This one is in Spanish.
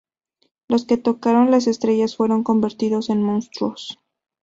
Los que tocaron las estrellas fueron convertidos en monstruos.